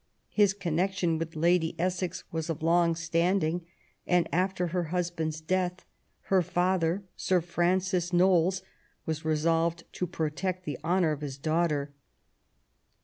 His connection with Lady Essex was of long standing; and, after her husband's death, her father. Sir Francis Knollys, was resolved to pro tect the honour of his daughter.